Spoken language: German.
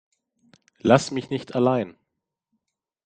Lass mich nicht allein.